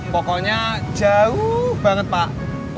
pokoknya jauh banget pak